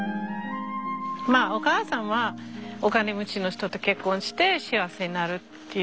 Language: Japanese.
まあお母さんはお金持ちの人と結婚して幸せになるっていう。